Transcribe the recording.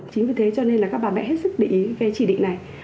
chính vì thế cho nên là các bà mẹ hết sức để ý cái chỉ định này